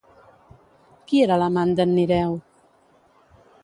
Qui era l'amant d'en Nireu?